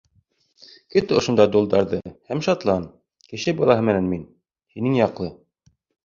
Көт ошонда дол-дарҙы һәм шатлан: кеше балаһы менән мин — һинең яҡлы.